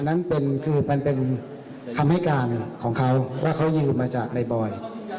นั้นเป็นคือมันเป็นคำให้การของเขาว่าเขายืมมาจากในบอย